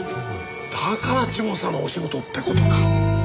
だから調査のお仕事って事か。